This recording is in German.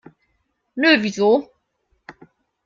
Nö, wieso?